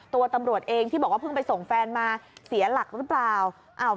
ตำรวจเองที่บอกว่าเพิ่งไปส่งแฟนมาเสียหลักหรือเปล่า